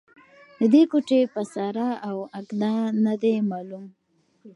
د دې کوټې پساره او اږده نه دې معلوم